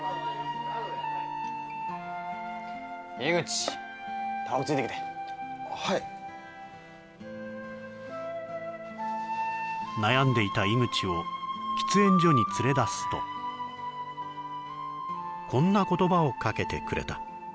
井口タバコついてきてはい悩んでいた井口を喫煙所に連れ出すとこんな言葉をかけてくれたまあさ